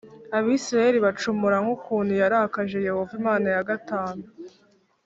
Abisirayeli bacumura n ukuntu yarakaje Yehova Imana ya gatanu